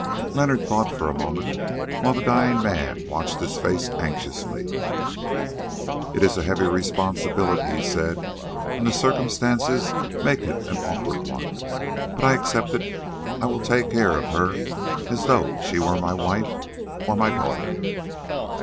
Leonard thought for a moment, while the dying man watched his face anxiously. "It is a heavy responsibility," he said, "and the circumstances make it an awkward one. But I accept it. I will take care of her as though she were my wife, or—my daughter."